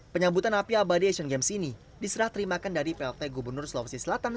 penyambutan api abadi asian games ini diserah terimakan dari plt gubernur sulawesi selatan